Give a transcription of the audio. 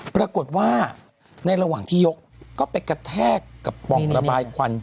ปรากฏว่าในระหว่างที่ยกก็ไปกระแทกกับป่องระบายควัน